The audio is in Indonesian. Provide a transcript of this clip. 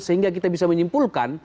sehingga kita bisa menyimpulkan